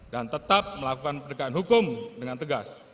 dan tetap melakukan pendekatan hukum dengan tegas